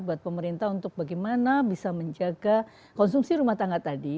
untuk pemerintah bagaimana bisa menjaga konsumsi rumah tangga tadi